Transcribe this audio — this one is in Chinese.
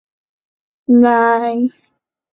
大业十一年李渊任山西河东郡慰抚大使。